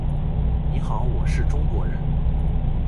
你好，我是中国人。